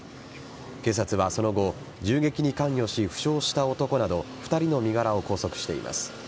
警察はその後銃撃に関与し、負傷した男など２人の身柄を拘束しています。